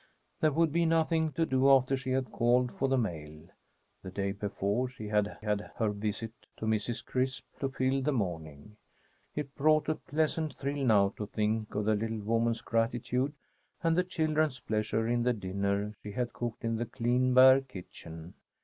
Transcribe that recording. There would be nothing to do after she had called for the mail. The day before she had had her visit to Mrs. Crisp to fill the morning. It brought a pleasant thrill now to think of the little woman's gratitude and the children's pleasure in the dinner she had cooked in the clean bare kitchen.